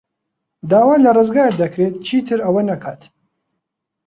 داوا لە ڕزگار دەکرێت چیتر ئەوە نەکات.